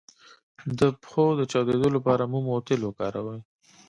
د پښو د چاودیدو لپاره موم او تېل وکاروئ